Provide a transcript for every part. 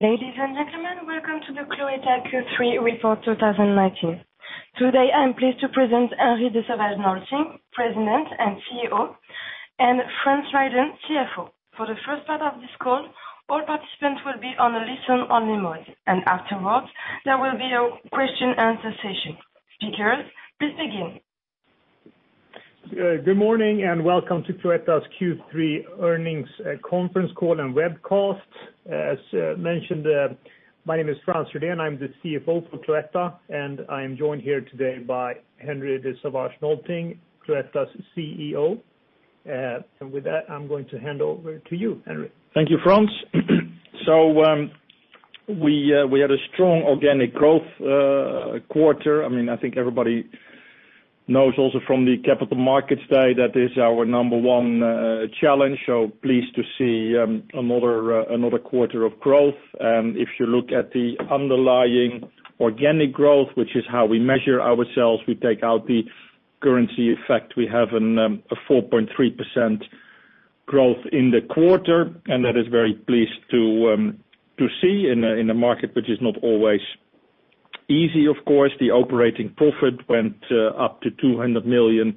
Ladies and gentlemen, welcome to the Cloetta Q3 Report 2019. Today, I'm pleased to present Henri de Sauvage Nolting, President and CEO, and Frans Rydén, CFO. For the first part of this call, all participants will be on a listen-only mode, and afterwards, there will be a question-and-answer session. Speakers, please begin. Good morning and welcome to Cloetta's Q3 earnings conference call and webcast. As mentioned, my name is Frans Rydén, I'm the CFO for Cloetta, and I am joined here today by Henri de Sauvage Nolting, Cloetta's CEO, and with that, I'm going to hand over to you, Henri. Thank you, Frans, so we had a strong organic growth quarter. I mean, I think everybody knows also from the Capital Markets Day that is our number one challenge, so pleased to see another quarter of growth, and if you look at the underlying organic growth, which is how we measure ourselves, we take out the currency effect, we have a 4.3% growth in the quarter, and that is very pleased to see in a market which is not always easy, of course. The operating profit went up to 200 million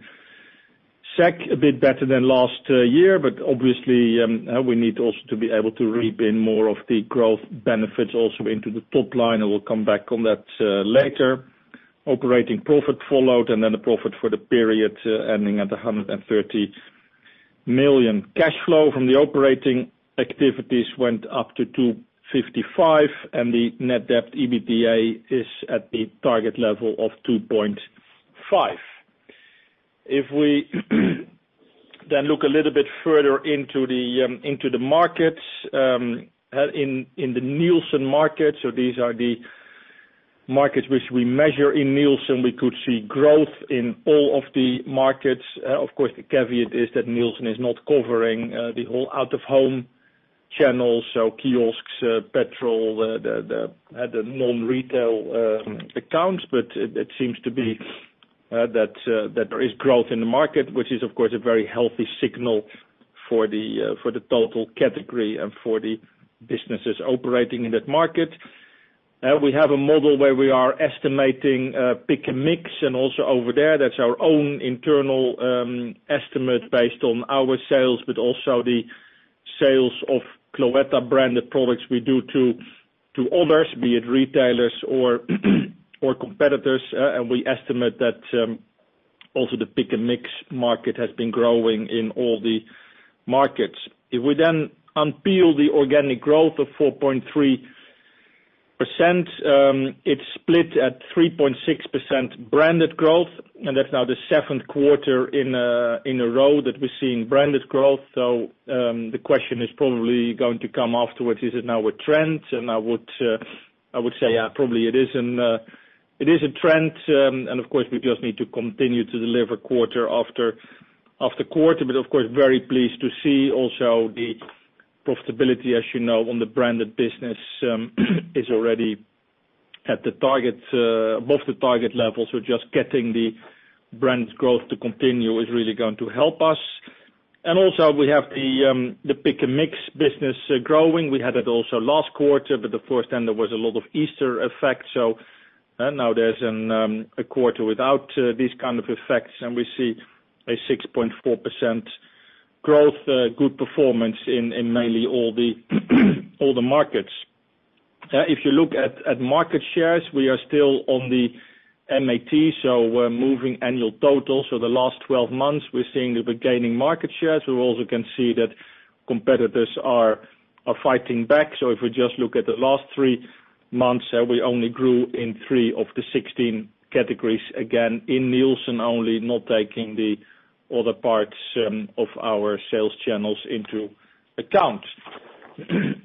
SEK, a bit better than last year, but obviously, we need also to be able to reap in more of the growth benefits also into the top line, and we'll come back on that later. Operating profit followed, and then the profit for the period ending at 130 million. Cash flow from the operating activities went up to 255 million, and the net debt to EBITDA is at the target level of 2.5. If we then look a little bit further into the markets, in the Nielsen market, so these are the markets which we measure in Nielsen, we could see growth in all of the markets. Of course, the caveat is that Nielsen is not covering the whole out-of-home channels, so kiosks, petrol, the non-retail accounts, but it seems to be that there is growth in the market, which is, of course, a very healthy signal for the total category and for the businesses operating in that market. We have a model where we are estimating pick and mix, and also over there, that's our own internal estimate based on our sales, but also the sales of Cloetta branded products we do to others, be it retailers or competitors, and we estimate that also the pick and mix market has been growing in all the markets. If we then unpeel the organic growth of 4.3%, it's split at 3.6% branded growth, and that's now the seventh quarter in a row that we've seen branded growth. So the question is probably going to come afterwards, is it now a trend? And I would say probably it is a trend, and of course, we just need to continue to deliver quarter after quarter, but of course, very pleased to see also the profitability, as you know, on the branded business is already at the target, above the target level, so just getting the branded growth to continue is really going to help us. And also, we have the pick and mix business growing. We had it also last quarter, but the first, and there was a lot of Easter effect, so now there's a quarter without these kind of effects, and we see a 6.4% growth, good performance in mainly all the markets. If you look at market shares, we are still on the MAT, so moving annual total, so the last 12 months, we're seeing that we're gaining market shares, but we also can see that competitors are fighting back. So if we just look at the last three months, we only grew in three of the 16 categories, again, in Nielsen only, not taking the other parts of our sales channels into account.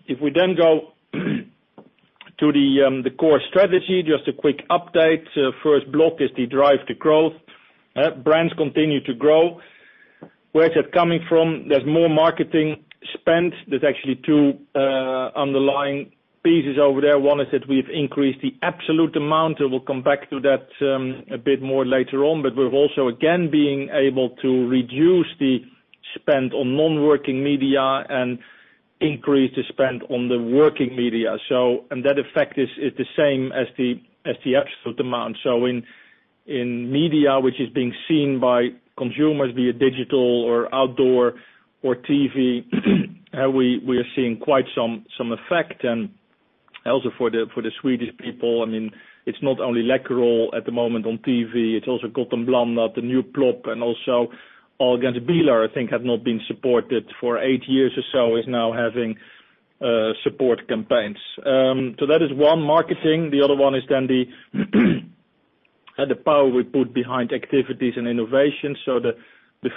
If we then go to the core strategy, just a quick update, first block is the drive to growth. Brands continue to grow. Where is it coming from? There's more marketing spent. There's actually two underlying pieces over there. One is that we've increased the absolute amount, and we'll come back to that a bit more later on, but we're also again being able to reduce the spend on non-working media and increase the spend on the working media. And that effect is the same as the absolute amount. So in media, which is being seen by consumers, be it digital or outdoor or TV, we are seeing quite some effect. And also for the Swedish people, I mean, it's not only Läkerol at the moment on TV, it's also Gott & Blandat, the new Plopp, and also Ahlgrens Bilar, I think, had not been supported for eight years or so, is now having support campaigns. So that is one marketing. The other one is then the power we put behind activities and innovation, so the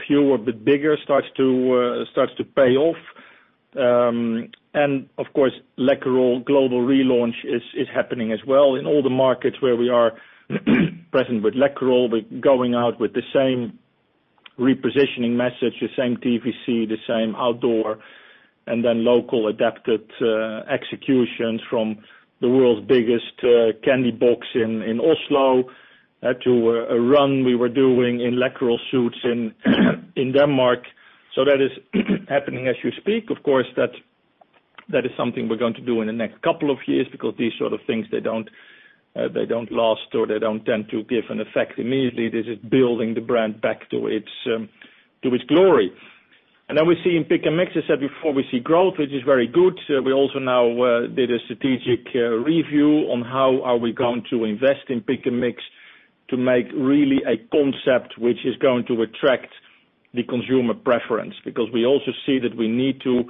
fewer, the bigger starts to pay off. And of course, Läkerol global relaunch is happening as well. In all the markets where we are present with Läkerol, we're going out with the same repositioning message, the same TVC, the same outdoor, and then local adapted executions from the world's biggest candy box in Oslo to a run we were doing in Läkerol suits in Denmark. So that is happening as you speak. Of course, that is something we're going to do in the next couple of years because these sort of things, they don't last or they don't tend to give an effect immediately. This is building the brand back to its glory, and then we see in pick and mix, I said before, we see growth, which is very good. We also now did a strategic review on how are we going to invest in pick and mix to make really a concept which is going to attract the consumer preference because we also see that we need to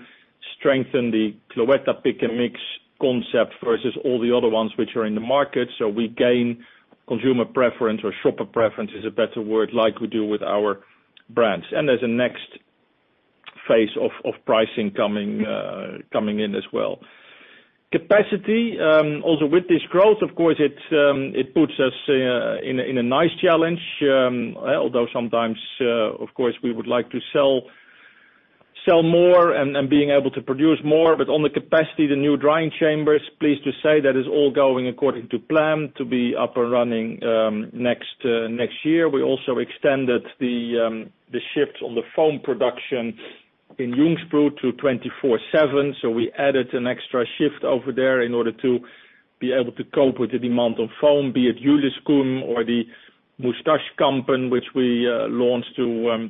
strengthen the Cloetta pick and mix concept versus all the other ones which are in the market, so we gain consumer preference or shopper preference is a better word, like we do with our brands, and there's a next phase of pricing coming in as well. Capacity, also with this growth, of course, it puts us in a nice challenge, although sometimes, of course, we would like to sell more and being able to produce more, but on the capacity, the new drying chambers, pleased to say that is all going according to plan to be up and running next year. We also extended the shift on the foam production in Ljungsbro to 24/7, so we added an extra shift over there in order to be able to cope with the demand on foam, be it Juleskum or the Mustaschkampen, which we launched to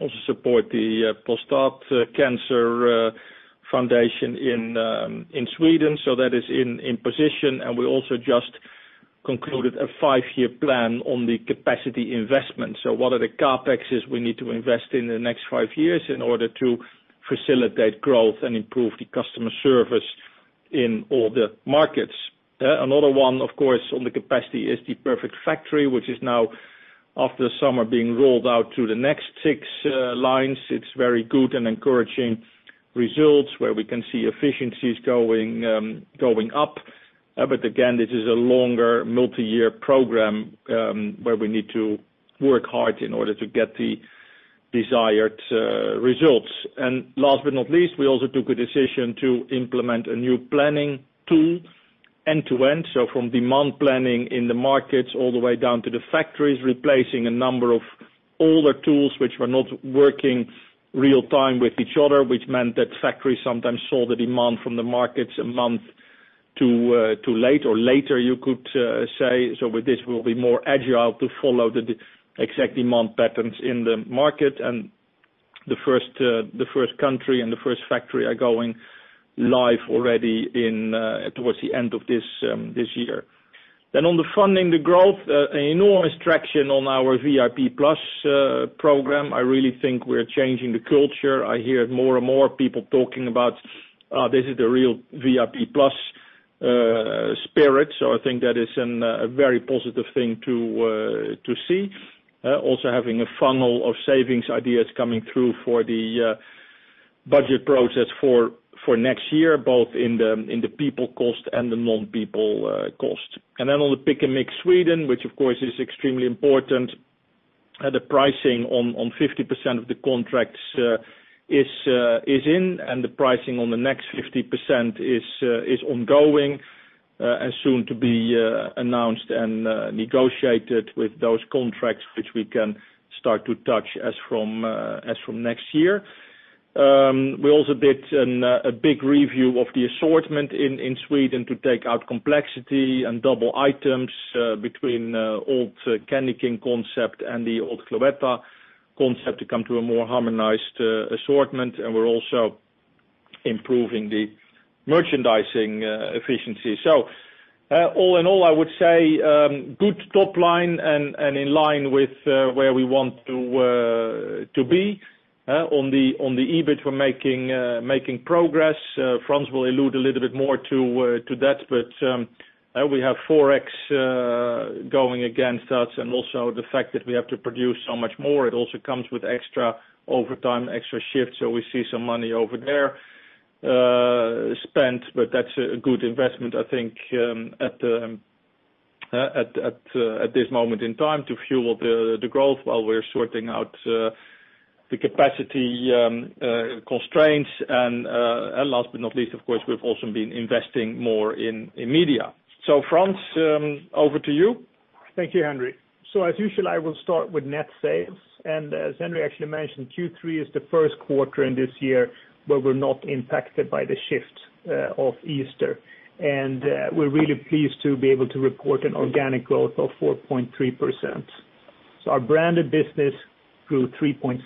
also support the Prostate Cancer Foundation in Sweden. So that is in position, and we also just concluded a five-year plan on the capacity investment. So what are the CapEx we need to invest in the next five years in order to facilitate growth and improve the customer service in all the markets? Another one, of course, on the capacity is The Perfect Factory, which is now, after the summer, being rolled out to the next six lines. It's very good and encouraging results where we can see efficiencies going up. But again, this is a longer multi-year program where we need to work hard in order to get the desired results. And last but not least, we also took a decision to implement a new planning tool, end-to-end, so from demand planning in the markets all the way down to the factories, replacing a number of older tools which were not working real-time with each other, which meant that factories sometimes saw the demand from the markets a month too late or later, you could say. So with this, we'll be more agile to follow the exact demand patterns in the market, and the first country and the first factory are going live already towards the end of this year. Then on the funding, the growth, enormous traction on our VIP Plus program. I really think we're changing the culture. I hear more and more people talking about, "This is the real VIP Plus spirit." So I think that is a very positive thing to see. Also having a funnel of savings ideas coming through for the budget process for next year, both in the people cost and the non-people cost. And then on the pick and mix Sweden, which of course is extremely important, the pricing on 50% of the contracts is in, and the pricing on the next 50% is ongoing and soon to be announced and negotiated with those contracts which we can start to touch as from next year. We also did a big review of the assortment in Sweden to take out complexity and double items between old CandyKing concept and the old Cloetta concept to come to a more harmonized assortment, and we're also improving the merchandising efficiency. So all in all, I would say good top line and in line with where we want to be. On the EBIT, we're making progress. Frans will allude a little bit more to that, but we have forex going against us, and also the fact that we have to produce so much more, it also comes with extra overtime, extra shifts, so we see some money over there spent, but that's a good investment, I think, at this moment in time to fuel the growth while we're sorting out the capacity constraints, and last but not least, of course, we've also been investing more in media, so Frans, over to you. Thank you, Henri. So as usual, I will start with net sales, and as Henri actually mentioned, Q3 is the first quarter in this year where we're not impacted by the shift of Easter, and we're really pleased to be able to report an organic growth of 4.3%. So our branded business grew 3.6%,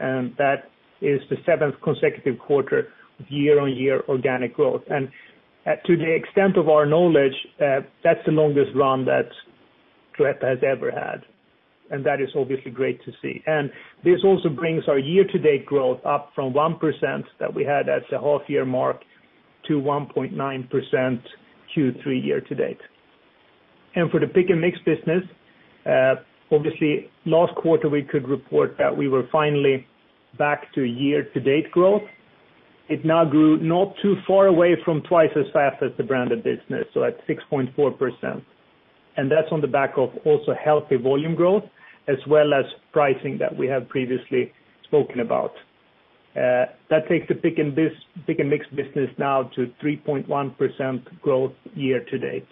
and that is the seventh consecutive quarter of year-on-year organic growth. And to the extent of our knowledge, that's the longest run that Cloetta has ever had, and that is obviously great to see. And this also brings our year-to-date growth up from 1% that we had at the half-year mark to 1.9% Q3 year-to-date. And for the pick and mix business, obviously, last quarter we could report that we were finally back to year-on-year growth. It now grew not too far away from twice as fast as the branded business, so at 6.4%. That's on the back of also healthy volume growth as well as pricing that we have previously spoken about. That takes the pick and mix business now to 3.1% growth year-to-date.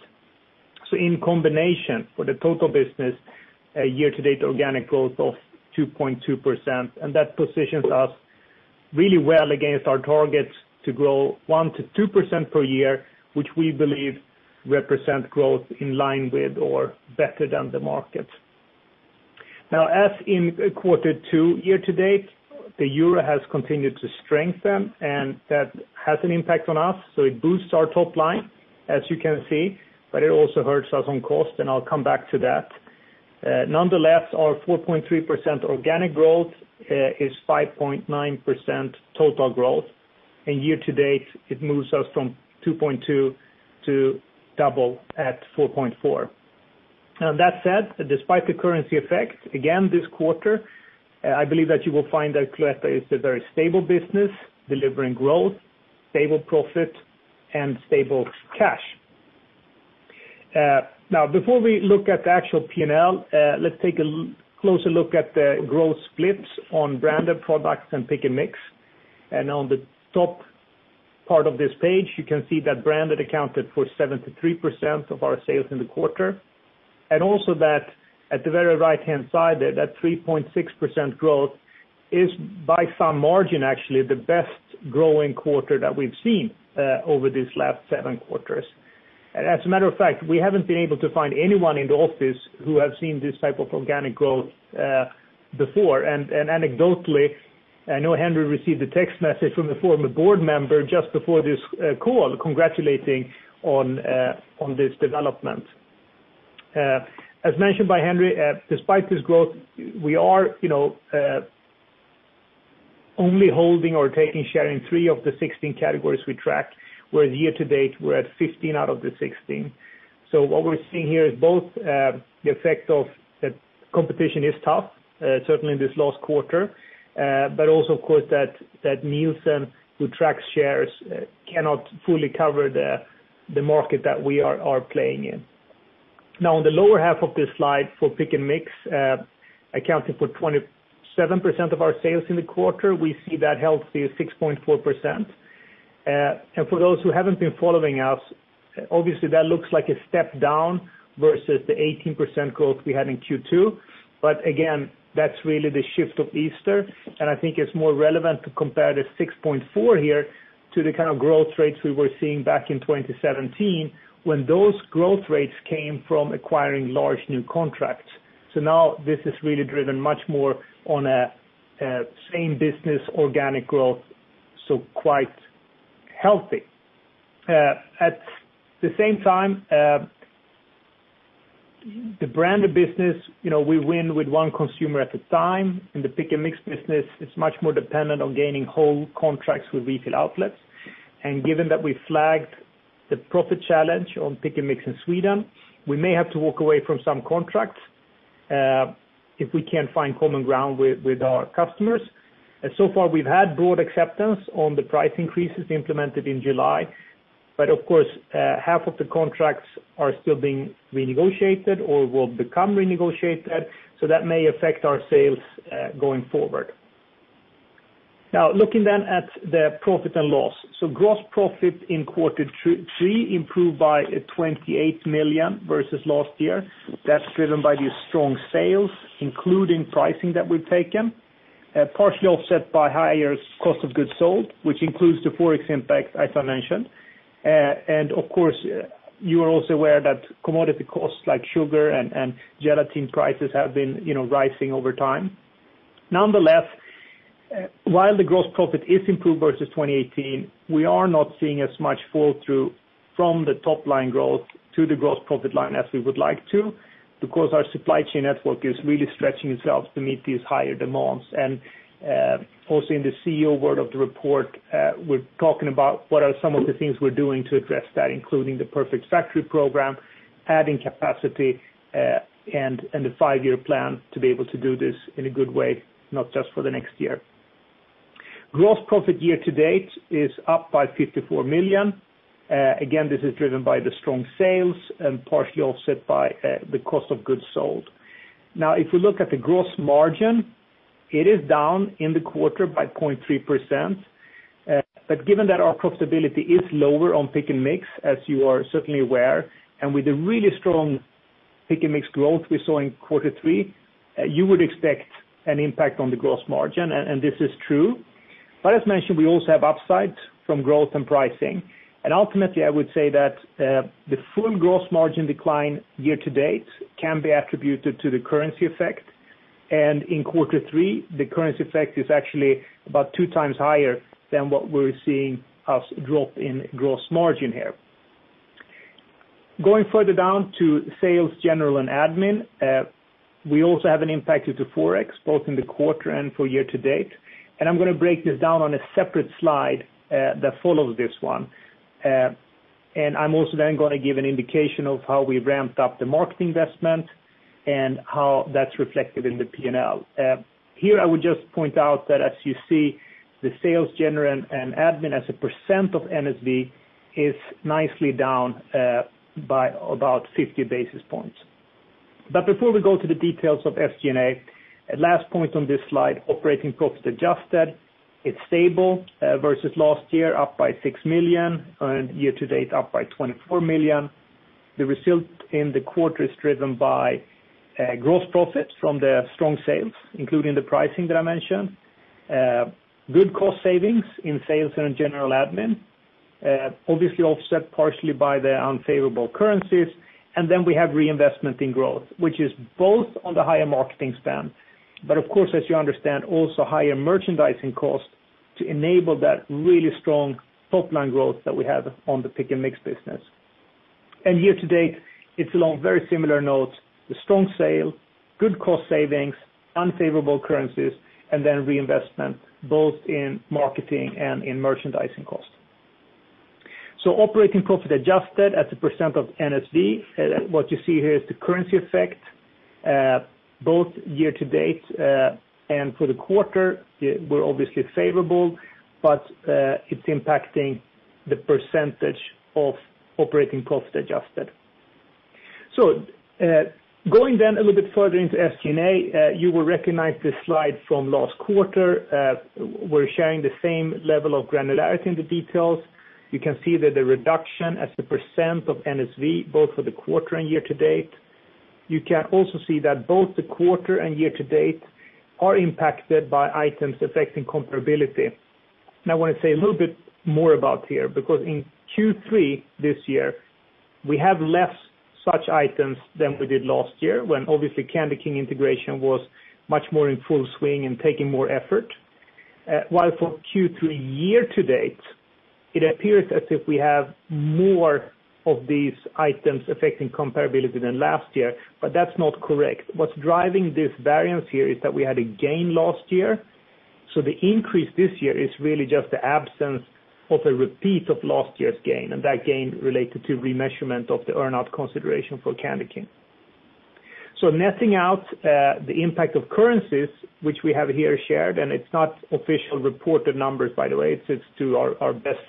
In combination, for the total business, year-to-date organic growth of 2.2%, and that positions us really well against our targets to grow 1%-2% per year, which we believe represents growth in line with or better than the market. Now, as in quarter two year-to-date, the euro has continued to strengthen, and that has an impact on us, so it boosts our top line, as you can see, but it also hurts us on cost, and I'll come back to that. Nonetheless, our 4.3% organic growth is 5.9% total growth, and year-to-date, it moves us from 2.2% to double at 4.4%. That said, despite the currency effect, again, this quarter, I believe that you will find that Cloetta is a very stable business delivering growth, stable profit, and stable cash. Now, before we look at the actual P&L, let's take a closer look at the growth splits on branded products and pick and mix. On the top part of this page, you can see that branded accounted for 73% of our sales in the quarter. Also, at the very right-hand side, that 3.6% growth is by some margin, actually, the best growing quarter that we've seen over these last seven quarters. As a matter of fact, we haven't been able to find anyone in the office who has seen this type of organic growth before. Anecdotally, I know Henri received a text message from a former board member just before this call congratulating on this development. As mentioned by Henri, despite this growth, we are only holding or taking share in three of the 16 categories we tracked, whereas year-to-date, we're at 15 out of the 16. What we're seeing here is both the effect of that competition is tough, certainly this last quarter, but also, of course, that Nielsen, who tracks shares, cannot fully cover the market that we are playing in. Now, on the lower half of this slide for pick and mix, accounting for 27% of our sales in the quarter, we see that healthy 6.4%. For those who haven't been following us, obviously, that looks like a step down versus the 18% growth we had in Q2. But again, that's really the shift of Easter, and I think it's more relevant to compare the 6.4 here to the kind of growth rates we were seeing back in 2017 when those growth rates came from acquiring large new contracts. So now this is really driven much more on a same business organic growth, so quite healthy. At the same time, the branded business, we win with one consumer at a time. In the pick and mix business, it's much more dependent on gaining whole contracts with retail outlets. And given that we flagged the profit challenge on pick and mix in Sweden, we may have to walk away from some contracts if we can't find common ground with our customers. So far, we've had broad acceptance on the price increases implemented in July, but of course, half of the contracts are still being renegotiated or will become renegotiated, so that may affect our sales going forward. Now, looking then at the profit and loss, so gross profit in quarter three improved by 28 million versus last year. That's driven by these strong sales, including pricing that we've taken, partially offset by higher cost of goods sold, which includes the forex impact, as I mentioned, and of course, you are also aware that commodity costs like sugar and gelatin prices have been rising over time. Nonetheless, while the gross profit is improved versus 2018, we are not seeing as much fall through from the top line growth to the gross profit line as we would like to because our supply chain network is really stretching itself to meet these higher demands. Also in the CEO's word of the report, we're talking about what are some of the things we're doing to address that, including The Perfect Factory program, adding capacity, and the five-year plan to be able to do this in a good way, not just for the next year. Gross profit year-to-date is up by 54 million. Again, this is driven by the strong sales and partially offset by the cost of goods sold. Now, if we look at the gross margin, it is down in the quarter by 0.3%. But given that our profitability is lower on pick and mix, as you are certainly aware, and with the really strong pick and mix growth we saw in quarter three, you would expect an impact on the gross margin, and this is true. But as mentioned, we also have upside from growth and pricing. Ultimately, I would say that the full gross margin decline year-to-date can be attributed to the currency effect. In quarter three, the currency effect is actually about two times higher than what we're seeing us drop in gross margin here. Going further down to sales, general, and admin, we also have an impact due to forex, both in the quarter and for year-to-date. I'm going to break this down on a separate slide that follows this one. I'm also then going to give an indication of how we ramped up the market investment and how that's reflected in the P&L. Here, I would just point out that, as you see, the sales, general, and admin as a percentage of NSV is nicely down by about 50 basis points. But before we go to the details of SG&A, last point on this slide, operating profit adjusted. It's stable versus last year, up by 6 million, and year-to-date, up by 24 million. The result in the quarter is driven by gross profit from the strong sales, including the pricing that I mentioned, good cost savings in sales and in general admin, obviously offset partially by the unfavorable currencies. And then we have reinvestment in growth, which is both on the higher marketing spend, but of course, as you understand, also higher merchandising cost to enable that really strong top line growth that we have on the pick and mix business. And year-to-date, it's along very similar notes, the strong sale, good cost savings, unfavorable currencies, and then reinvestment, both in marketing and in merchandising cost. So operating profit adjusted as a percentage of NSV, what you see here is the currency effect, both year-to-date and for the quarter. We're obviously favorable, but it's impacting the percentage of operating profit adjusted. So going then a little bit further into SG&A, you will recognize this slide from last quarter. We're sharing the same level of granularity in the details. You can see that the reduction as a percentage of NSV, both for the quarter and year-to-date. You can also see that both the quarter and year-to-date are impacted by items affecting comparability. Now, I want to say a little bit more about here because in Q3 this year, we have less such items than we did last year when obviously CandyKing integration was much more in full swing and taking more effort. While for Q3 year-to-date, it appears as if we have more of these items affecting comparability than last year, but that's not correct. What's driving this variance here is that we had a gain last year. So the increase this year is really just the absence of a repeat of last year's gain, and that gain related to remeasurement of the earn-out consideration for CandyKing. So netting out the impact of currencies, which we have here shared, and it's not official reported numbers, by the way, it's to our best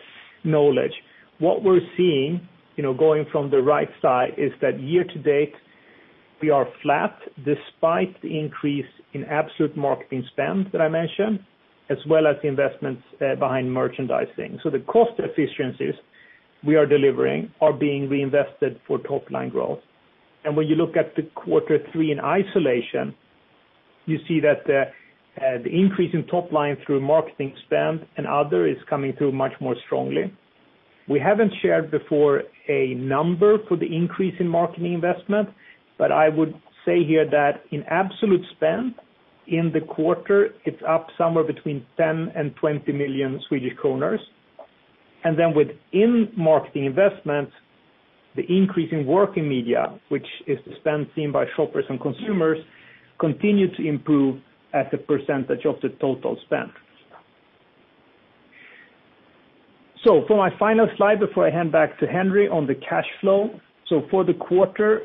knowledge. What we're seeing going from the right side is that year-to-date, we are flat despite the increase in absolute marketing spend that I mentioned, as well as the investments behind merchandising. So the cost efficiencies we are delivering are being reinvested for top line growth. When you look at the quarter three in isolation, you see that the increase in top line through marketing spend and other is coming through much more strongly. We haven't shared before a number for the increase in marketing investment, but I would say here that in absolute spend in the quarter, it's up somewhere between 10 million and 20 million Swedish kronor. Then within marketing investments, the increase in working media, which is the spend seen by shoppers and consumers, continues to improve as a percentage of the total spend. For my final slide before I hand back to Henri on the cash flow, for the quarter,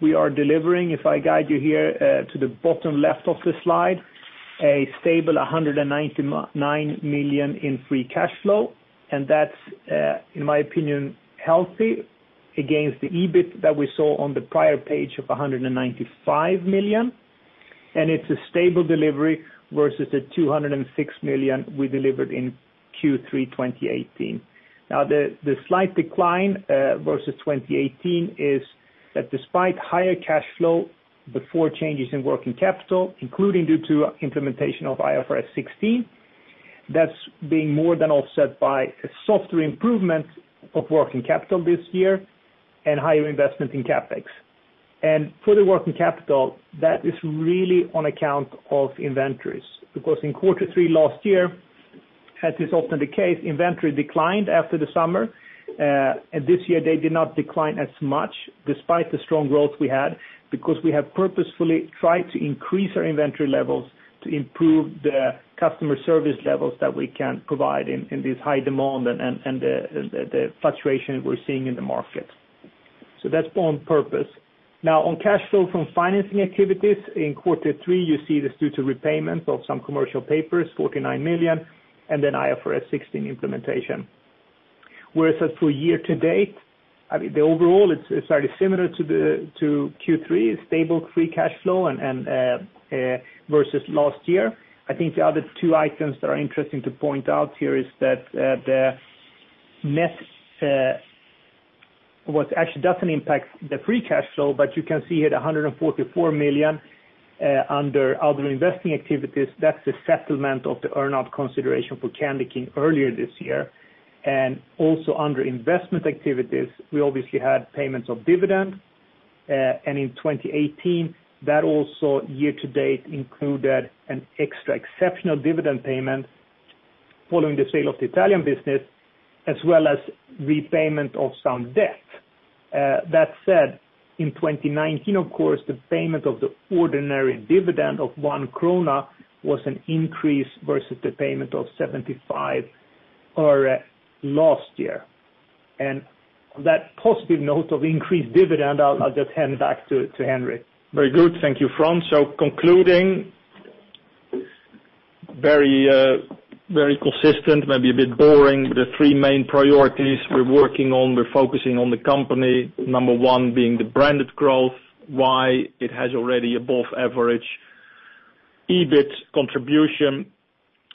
we are delivering, if I guide you here to the bottom left of the slide, a stable 199 million in free cash flow. And that's, in my opinion, healthy against the EBIT that we saw on the prior page of 195 million. And it's a stable delivery versus the 206 million we delivered in Q3 2018. Now, the slight decline versus 2018 is that despite higher cash flow before changes in working capital, including due to implementation of IFRS 16, that's being more than offset by a softer improvement of working capital this year and higher investment in CapEx. And for the working capital, that is really on account of inventories because in quarter three last year, as is often the case, inventory declined after the summer. And this year, they did not decline as much despite the strong growth we had because we have purposefully tried to increase our inventory levels to improve the customer service levels that we can provide in this high demand and the fluctuation we're seeing in the market. So that's on purpose. Now, on cash flow from financing activities in quarter three, you see this due to repayment of some commercial papers, 49 million, and then IFRS 16 implementation. Whereas for year-to-date, I mean, overall, it's very similar to Q3, stable free cash flow versus last year. I think the other two items that are interesting to point out here is that the net actually doesn't impact the free cash flow, but you can see here the 144 million under other investing activities, that's the settlement of the earn-out consideration for CandyKing earlier this year. Also under investment activities, we obviously had payments of dividend. In 2018, that also year-to-date included an extra exceptional dividend payment following the sale of the Italian business, as well as repayment of some debt. That said, in 2019, of course, the payment of the ordinary dividend of one krona was an increase versus the payment of 75 last year. On that positive note of increased dividend, I'll just hand back to Henri. Very good. Thank you, Frans. Concluding, very consistent, maybe a bit boring, the three main priorities we're working on. We're focusing on the company, number one being the branded growth, why it has already above average EBIT contribution.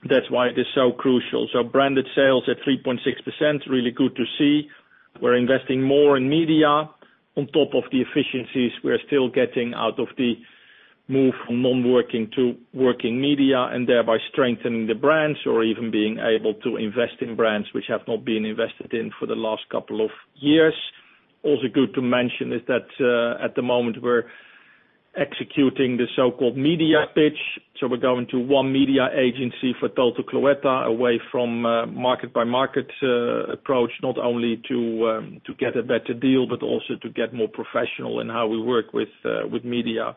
That's why it is so crucial. Branded sales at 3.6%, really good to see. We're investing more in media. On top of the efficiencies, we're still getting out of the move from non-working to working media and thereby strengthening the brands or even being able to invest in brands which have not been invested in for the last couple of years. Also good to mention is that at the moment, we're executing the so-called media pitch. So we're going to one media agency for total Cloetta, away from market-by-market approach, not only to get a better deal, but also to get more professional in how we work with media.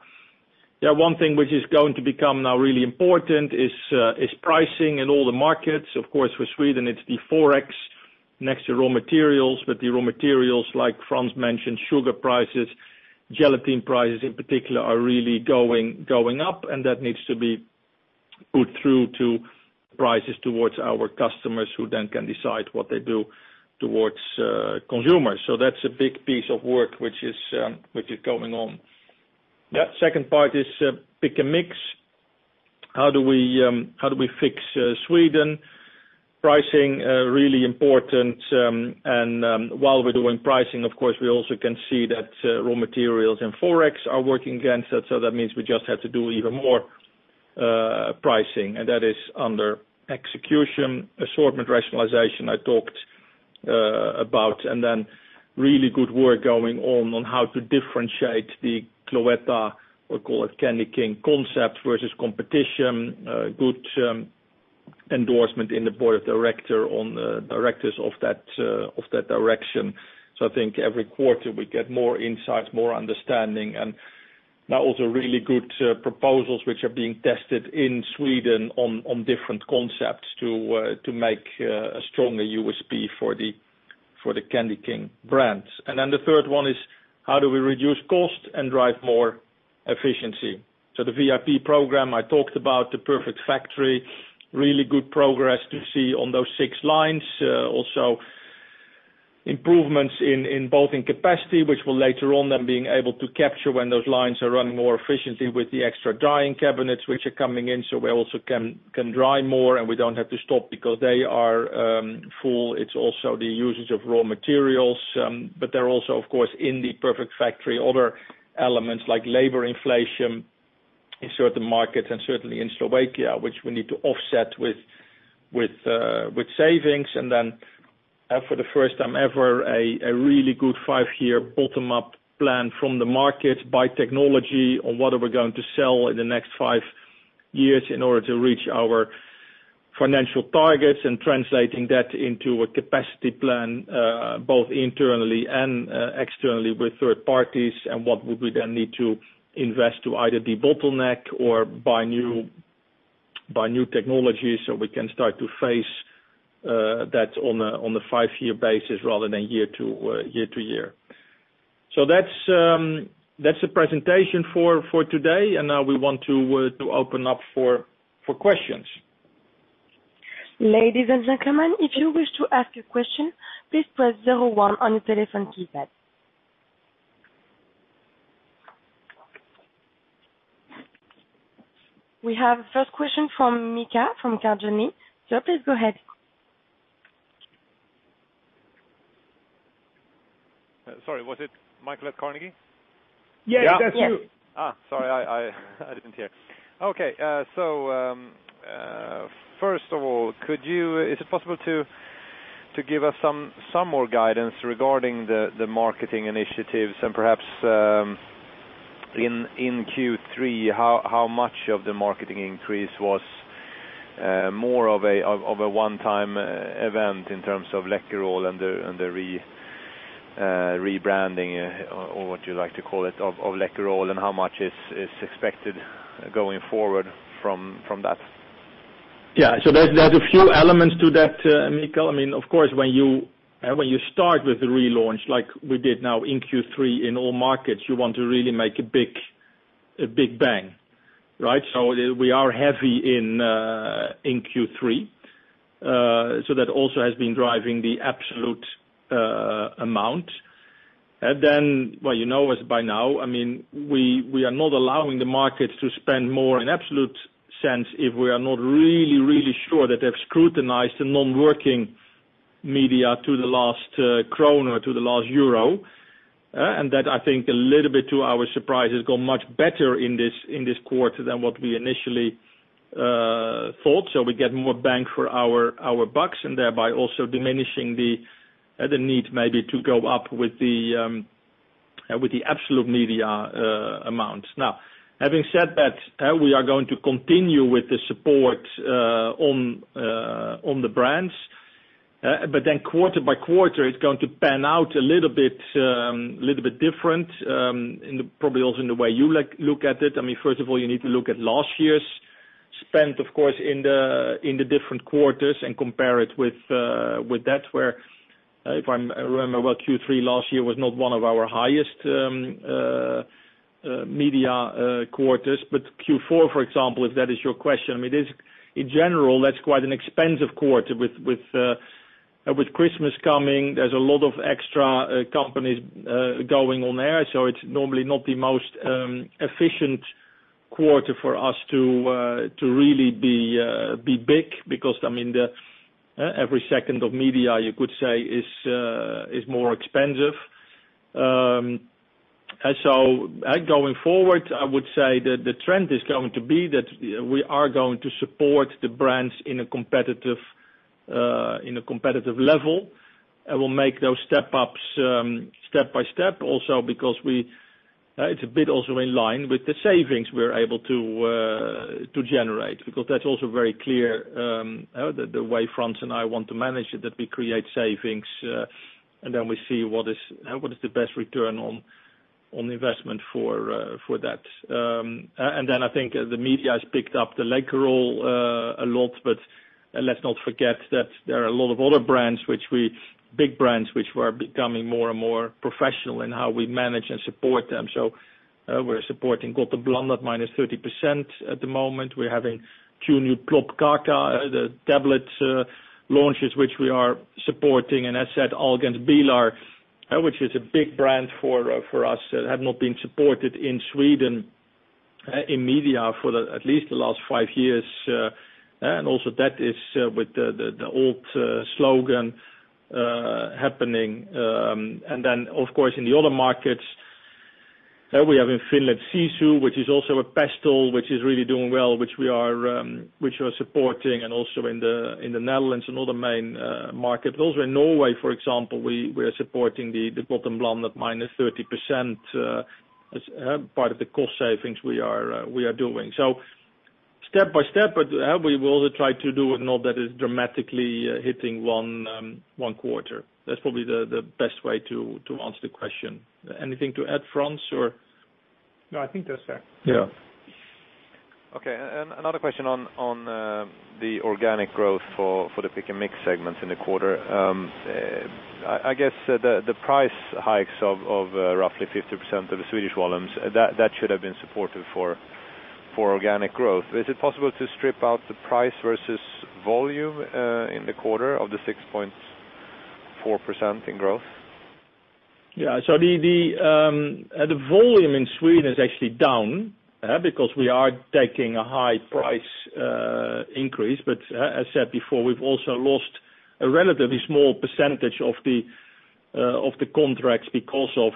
Yeah, one thing which is going to become now really important is pricing in all the markets. Of course, for Sweden, it's the forex next to raw materials, but the raw materials, like Frans mentioned, sugar prices, gelatin prices in particular, are really going up, and that needs to be put through to prices towards our customers who then can decide what they do towards consumers. So that's a big piece of work which is going on. Yeah, second part is pick and mix. How do we fix Sweden? Pricing, really important. And while we're doing pricing, of course, we also can see that raw materials and forex are working against that. So that means we just have to do even more pricing, and that is under execution, assortment rationalization I talked about, and then really good work going on on how to differentiate the Cloetta, or call it candy king concept versus competition, good endorsement in the board of directors of that direction. So I think every quarter, we get more insights, more understanding, and now also really good proposals which are being tested in Sweden on different concepts to make a stronger USP for the CandyKing brands. And then the third one is how do we reduce cost and drive more efficiency? So the VIP program I talked about, The Perfect Factory, really good progress to see on those six lines. Also improvements in both capacity, which will later on then being able to capture when those lines are running more efficiently with the extra drying cabinets which are coming in so we also can dry more and we don't have to stop because they are full. It's also the usage of raw materials, but they're also, of course, in The Perfect Factory, other elements like labor inflation in certain markets and certainly in Slovakia, which we need to offset with savings, and then for the first time ever, a really good five-year bottom-up plan from the markets by technology on what are we going to sell in the next five years in order to reach our financial targets and translating that into a capacity plan both internally and externally with third parties, and what would we then need to invest to either de-bottleneck or buy new technologies so we can start to face that on a five-year basis rather than year-to-year, so that's the presentation for today, and now we want to open up for questions. Ladies and gentlemen, if you wish to ask a question, please press 01 on the telephone keypad. We have a first question from Mikael from Carnegie. So please go ahead. Sorry, was it Mikael at Carnegie? Yeah, that's you. Sorry, I didn't hear. Okay. So first of all, is it possible to give us some more guidance regarding the marketing initiatives and perhaps in Q3, how much of the marketing increase was more of a one-time event in terms of Läkerol and the rebranding or what you like to call it of Läkerol, and how much is expected going forward from that? Yeah. So there's a few elements to that, Mikael. I mean, of course, when you start with the relaunch like we did now in Q3 in all markets, you want to really make a big bang, right? So we are heavy in Q3. So that also has been driving the absolute amount. And then, well, you know us by now. I mean, we are not allowing the markets to spend more in absolute sense if we are not really, really sure that they've scrutinized the non-working media to the last krona or to the last euro, and that, I think, a little bit to our surprise, has gone much better in this quarter than what we initially thought, so we get more bang for our bucks and thereby also diminishing the need maybe to go up with the absolute media amounts. Now, having said that, we are going to continue with the support on the brands, but then quarter by quarter, it's going to pan out a little bit different probably also in the way you look at it. I mean, first of all, you need to look at last year's spend, of course, in the different quarters and compare it with that where if I remember well, Q3 last year was not one of our highest media quarters, but Q4, for example, if that is your question. I mean, in general, that's quite an expensive quarter. With Christmas coming, there's a lot of extra campaigns going on there. So it's normally not the most efficient quarter for us to really be big because, I mean, every second of media, you could say, is more expensive. And so going forward, I would say that the trend is going to be that we are going to support the brands in a competitive level and will make those step-ups step by step also because it's a bit also in line with the savings we're able to generate because that's also very clear the way Frans and I want to manage it, that we create savings and then we see what is the best return on investment for that. And then I think the media has picked up the Läkerol a lot, but let's not forget that there are a lot of other brands, big brands which were becoming more and more professional in how we manage and support them. So we're supporting Gott & Blandat -30% at the moment. We're having two new Plopp Kaka, the tablet launches, which we are supporting. And as said, Ahlgrens Bilar, which is a big brand for us, have not been supported in Sweden in media for at least the last five years. Also that is with the old slogan happening. Then, of course, in the other markets, we have in Finland Sisu, which is also a pastille, which is really doing well, which we are supporting, and also in the Netherlands and other main markets. Also in Norway, for example, we are supporting the Gott & Blandat at -30% as part of the cost savings we are doing. So step by step, but we will also try to do it not that it's dramatically hitting one quarter. That's probably the best way to answer the question. Anything to add, Frans, or? No, I think that's fair. Yeah. Okay. Another question on the organic growth for the pick and mix segments in the quarter. I guess the price hikes of roughly 50% of the Swedish volumes, that should have been supportive for organic growth. Is it possible to strip out the price versus volume in the quarter of the 6.4% in growth? Yeah. The volume in Sweden is actually down because we are taking a high price increase. As said before, we've also lost a relatively small percentage of the contracts because of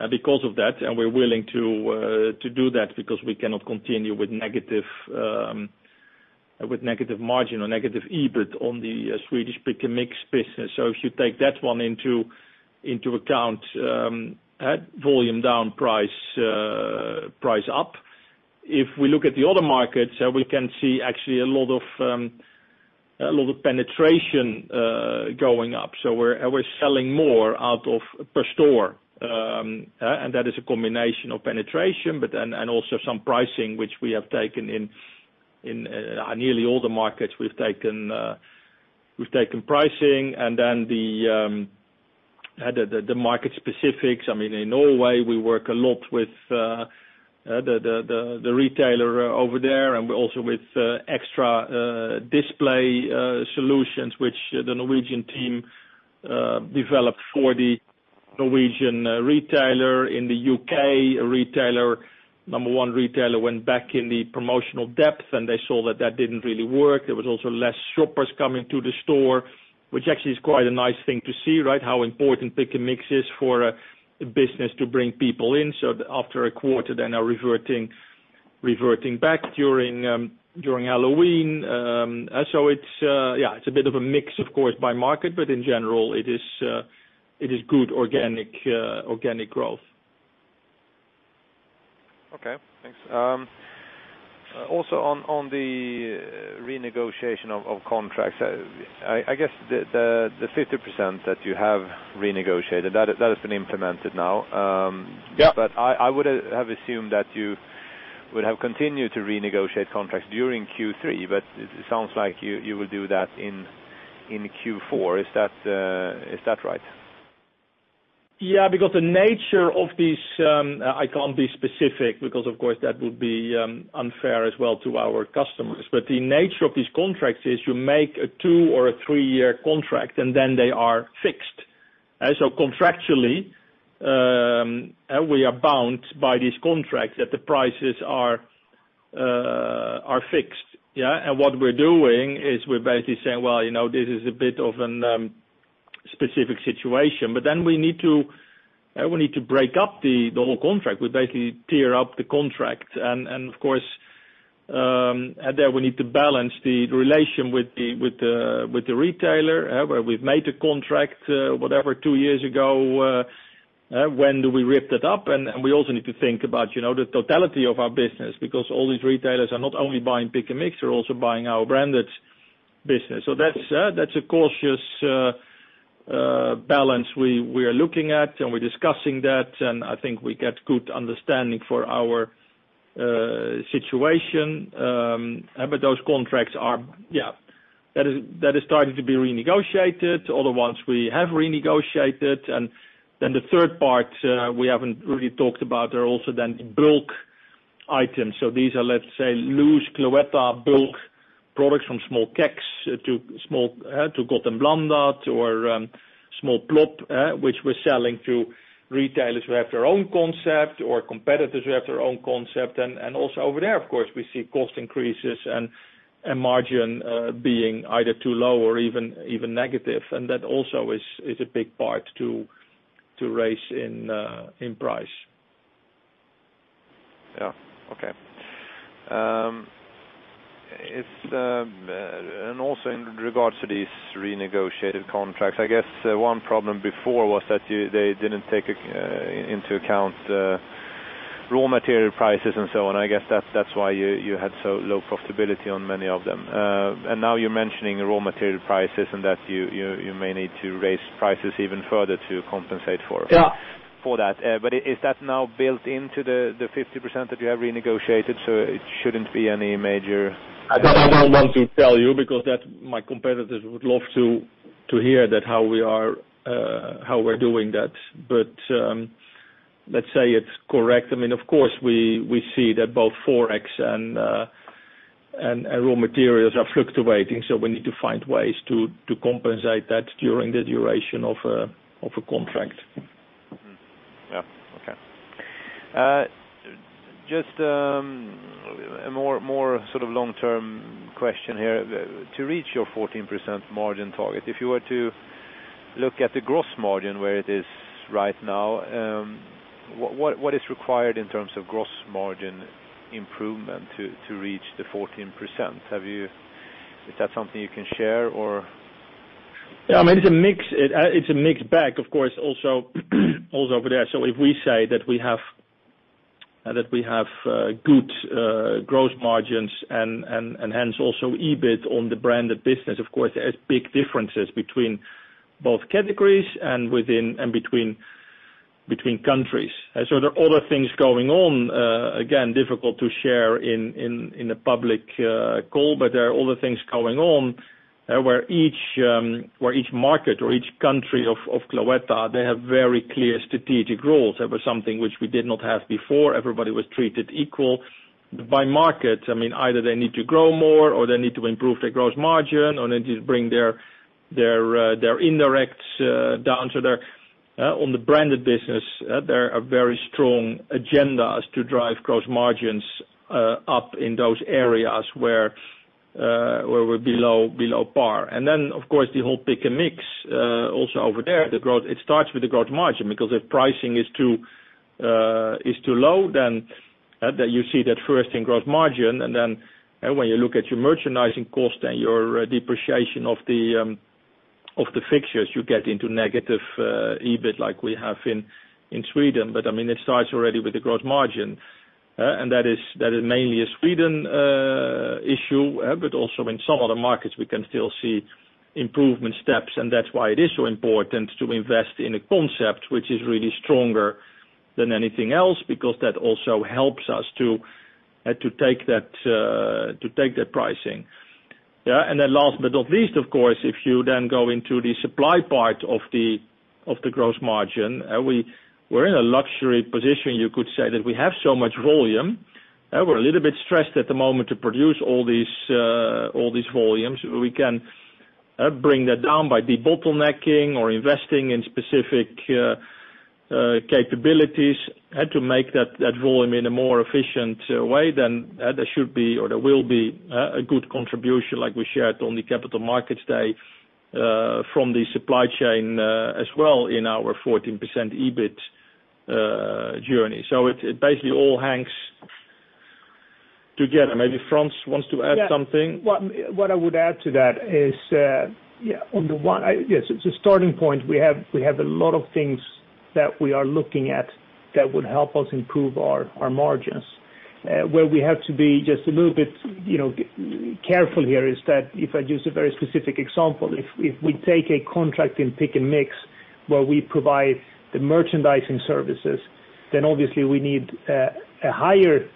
that. We're willing to do that because we cannot continue with negative margin or negative EBIT on the Swedish pick and mix business. If you take that one into account, volume down, price up. If we look at the other markets, we can see actually a lot of penetration going up. We're selling more per store. And that is a combination of penetration, but then also some pricing, which we have taken in nearly all the markets. We've taken pricing and then the market specifics. I mean, in Norway, we work a lot with the retailer over there and also with extra display solutions, which the Norwegian team developed for the Norwegian retailer. In the U.K., number one retailer went back in the promotional depth, and they saw that that didn't really work. There was also less shoppers coming to the store, which actually is quite a nice thing to see, right? How important pick and mix is for a business to bring people in. So after a quarter, then they're reverting back during Halloween. So yeah, it's a bit of a mix, of course, by market, but in general, it is good organic growth. Okay. Thanks. Also on the renegotiation of contracts, I guess the 50% that you have renegotiated, that has been implemented now. But I would have assumed that you would have continued to renegotiate contracts during Q3, but it sounds like you will do that in Q4. Is that right? Yeah, because the nature of these I can't be specific because, of course, that would be unfair as well to our customers. But the nature of these contracts is you make a two or a three-year contract, and then they are fixed. So contractually, we are bound by these contracts that the prices are fixed. And what we're doing is we're basically saying, "Well, this is a bit of a specific situation." But then we need to break up the whole contract. We basically tear up the contract. Of course, we need to balance the relation with the retailer where we've made a contract, whatever, two years ago. When do we rip that up? We also need to think about the totality of our business because all these retailers are not only buying pick and mix, they're also buying our branded business. That's a cautious balance we are looking at, and we're discussing that. I think we get good understanding for our situation. Those contracts are, yeah, starting to be renegotiated. Other ones we have renegotiated. The third part we haven't really talked about are also then bulk items. These are, let's say, loose Cloetta bulk products from small kegs to Gott & Blandat or small Plopp, which we're selling to retailers who have their own concept or competitors who have their own concept. And also over there, of course, we see cost increases and margin being either too low or even negative. And that also is a big part to raise in price. Yeah. Okay. And also in regards to these renegotiated contracts, I guess one problem before was that they didn't take into account raw material prices and so on. I guess that's why you had so low profitability on many of them. And now you're mentioning raw material prices and that you may need to raise prices even further to compensate for that. But is that now built into the 50% that you have renegotiated? So it shouldn't be any major? I don't want to tell you because my competitors would love to hear how we are doing that. But let's say it's correct. I mean, of course, we see that both Forex and raw materials are fluctuating, so we need to find ways to compensate that during the duration of a contract. Yeah. Okay. Just a more sort of long-term question here. To reach your 14% margin target, if you were to look at the gross margin where it is right now, what is required in terms of gross margin improvement to reach the 14%? Is that something you can share, or? Yeah. I mean, it's a mixed bag, of course, also over there. So if we say that we have good gross margins and hence also EBIT on the branded business, of course, there are big differences between both categories and between countries. So there are other things going on. Again, difficult to share in a public call, but there are other things going on where each market or each country of Cloetta, they have very clear strategic roles. That was something which we did not have before. Everybody was treated equal. By market, I mean, either they need to grow more or they need to improve their gross margin or they need to bring their indirects down. So on the branded business, there are very strong agendas to drive gross margins up in those areas where we're below par. And then, of course, the whole pick and mix also over there, it starts with the gross margin because if pricing is too low, then you see that first in gross margin. And then when you look at your merchandising cost and your depreciation of the fixtures, you get into negative EBIT like we have in Sweden. But I mean, it starts already with the gross margin. And that is mainly a Sweden issue, but also in some other markets, we can still see improvement steps. And that's why it is so important to invest in a concept which is really stronger than anything else because that also helps us to take that pricing. Yeah. And then last but not least, of course, if you then go into the supply part of the gross margin, we're in a luxury position, you could say, that we have so much volume. We're a little bit stressed at the moment to produce all these volumes. We can bring that down by de-bottlenecking or investing in specific capabilities to make that volume in a more efficient way. Then there should be or there will be a good contribution, like we shared on the capital markets day, from the supply chain as well in our 14% EBIT journey. So it basically all hangs together. Maybe Frans wants to add something? Yeah. What I would add to that is, yeah, on the one yes, it's a starting point. We have a lot of things that we are looking at that would help us improve our margins. Where we have to be just a little bit careful here is that if I use a very specific example, if we take a contract in pick and mix where we provide the merchandising services, then obviously we need a higher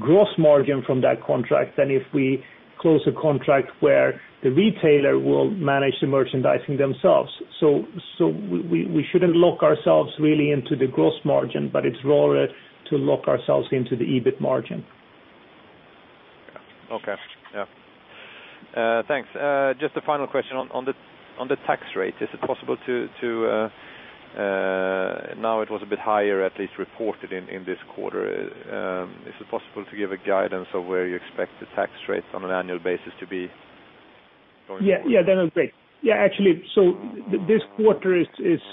gross margin from that contract than if we close a contract where the retailer will manage the merchandising themselves. So we shouldn't lock ourselves really into the gross margin, but it's rather to lock ourselves into the EBIT margin. Okay. Yeah. Thanks. Just a final question on the tax rate. Is it possible to know it was a bit higher, at least reported in this quarter. Is it possible to give a guidance of where you expect the tax rates on an annual basis to be going? Yeah. Yeah. That would be great. Yeah. Actually, so this quarter is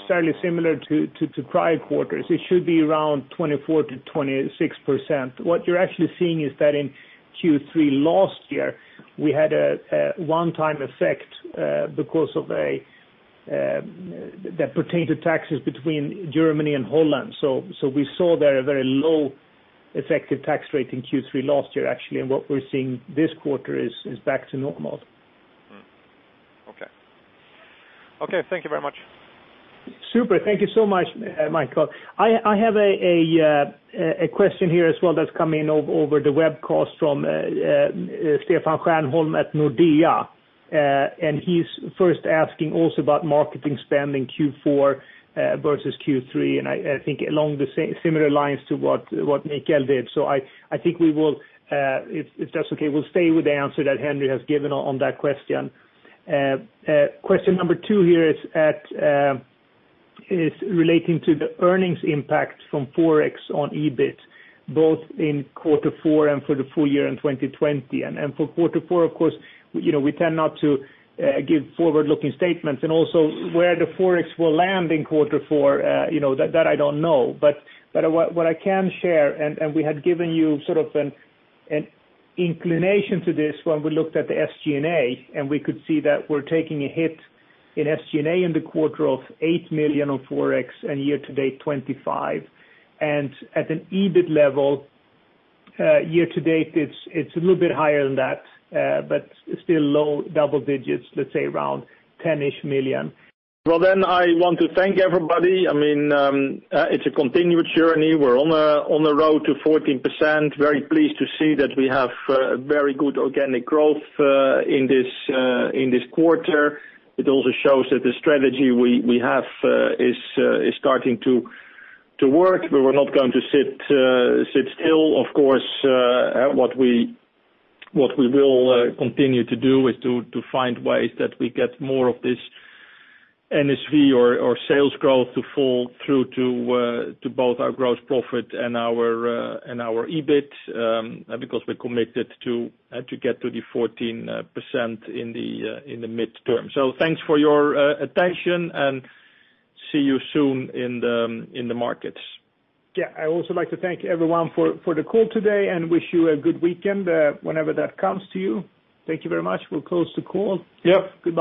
fairly similar to prior quarters. It should be around 24%-26%. What you're actually seeing is that in Q3 last year, we had a one-time effect because of that pertaining to taxes between Germany and Holland. So we saw there a very low effective tax rate in Q3 last year, actually. And what we're seeing this quarter is back to normal. Okay. Okay. Thank you very much. Super. Thank you so much, Mikael. I have a question here as well that's come in over the webcast from Stefan Stjernholm at Nordea. And he's first asking also about marketing spending Q4 versus Q3, and I think along the similar lines to what Mikael did. So I think we will, if that's okay, we'll stay with the answer that Henri has given on that question. Question number two here is relating to the earnings impact from Forex on EBIT, both in quarter four and for the full year in 2020. And for quarter four, of course, we tend not to give forward-looking statements. And also where the Forex will land in quarter four, that I don't know. But what I can share, and we had given you sort of an inclination to this when we looked at the SG&A, and we could see that we're taking a hit in SG&A in the quarter of 8 million on Forex and year-to-date 25 million. And at an EBIT level, year-to-date, it's a little bit higher than that, but still low double digits, let's say around 10 million. Well, then I want to thank everybody. I mean, it's a continued journey. We're on the road to 14%. Very pleased to see that we have very good organic growth in this quarter. It also shows that the strategy we have is starting to work. We were not going to sit still. Of course, what we will continue to do is to find ways that we get more of this NSV or sales growth to fall through to both our gross profit and our EBIT because we're committed to get to the 14% in the midterm. So thanks for your attention, and see you soon in the markets. Yeah. I also like to thank everyone for the call today and wish you a good weekend whenever that comes to you. Thank you very much. We'll close the call. Good.